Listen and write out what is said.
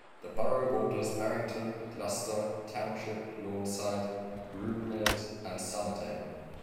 The borough borders Barrington, Gloucester Township, Lawnside, Runnemede and Somerdale.